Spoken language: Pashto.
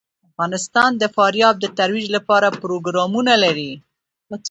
افغانستان د فاریاب د ترویج لپاره پروګرامونه لري.